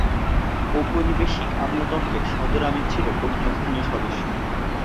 ঔপনিবেশিক আমলাতন্ত্রে সদর আমিন ছিল প্রথম স্থানীয় সদস্য।